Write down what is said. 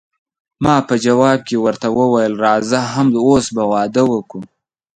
ما په جواب کې ورته وویل، راځه همد اوس به واده وکړو.